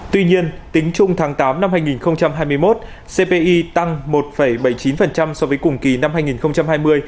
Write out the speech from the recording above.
tuy nhiên tính chung tháng tám năm hai nghìn hai mươi một cpi tăng một bảy mươi chín so với cùng kỳ năm hai nghìn hai mươi